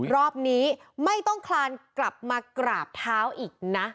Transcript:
รอบนี้ไม่ต้องคลานกลับมากราบเท้าอีกนะ